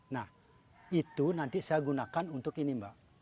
nah itu nanti saya gunakan untuk ini mbak